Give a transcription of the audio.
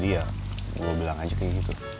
dia gue bilang aja kayak gitu